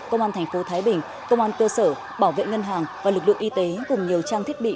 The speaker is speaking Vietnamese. công an thành phố thái bình công an cơ sở bảo vệ ngân hàng và lực lượng y tế cùng nhiều trang thiết bị